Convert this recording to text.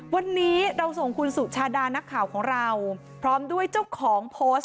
วันนี้เราส่งคุณสุชาดานักข่าวของเราพร้อมด้วยเจ้าของโพสต์